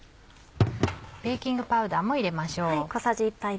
ベーキングパウダーも入れましょう。